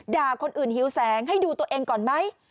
ด่าคนอื่นหิวแสงให้ดูตัวเองก่อนไหม